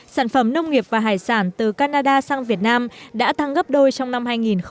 sản phẩm nông nghiệp và hải sản từ canada sang việt nam đã tăng gấp đôi trong năm hai nghìn một mươi tám